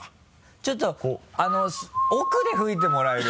ちょっと奥で吹いてもらえる？